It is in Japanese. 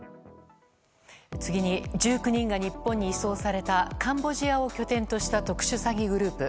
次に１９人が日本に移送されたカンボジアを拠点とした特殊詐欺グループ。